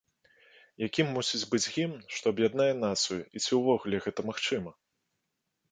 Якім мусіць быць гімн, што аб'яднае нацыю, і ці ўвогуле гэта магчыма?